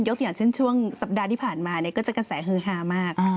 อย่างเช่นช่วงสัปดาห์ที่ผ่านมาก็จะกระแสฮือฮามาก